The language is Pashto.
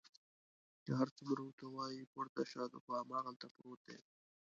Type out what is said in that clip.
که هر څومره ورته وایي پورته شه، خو هماغلته پروت دی.